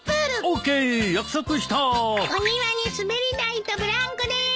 お庭に滑り台とブランコです！